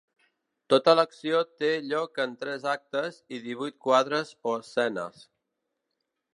Tota l'acció té lloc en tres actes i divuit quadres o escenes.